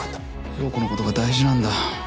陽子のことが大事なんだ。